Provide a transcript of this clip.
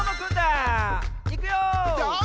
いくよ！